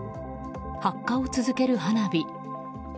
発火を続ける花火。